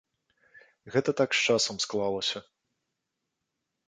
Гэта так з часам склалася.